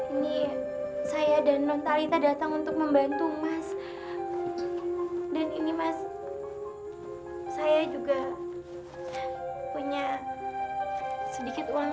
ini saya dan non talita datang untuk membantu mas dan ini mas saya juga punya sedikit uang